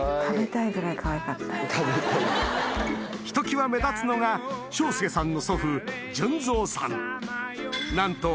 ひときわ目立つのが章介さんの祖父凖造さん